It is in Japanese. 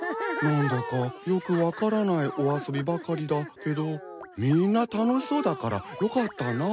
何だかよく分からないお遊びばかりだけどみんな楽しそうだからよかったな。